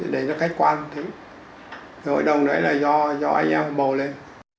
hội đồng để nó cách quan hội đồng đấy là do anh em bầu lên